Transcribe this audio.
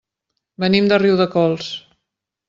Venim de Riudecols.